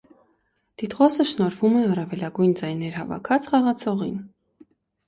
Տիտղոսը շնորհվում է առավելագույն ձայներ հավաքած խաղացողին։